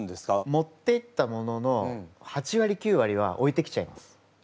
持っていったものの８わり９わりは置いてきちゃいます。